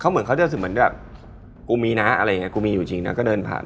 เขาเหมือนเขาจะคือเหมือนแบบกูมีนะอะไรอย่างเงี้ยกูมีอยู่จริงแล้วก็เดินผ่าน